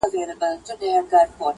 خپل خیال غوندي یو مهربان څوک وه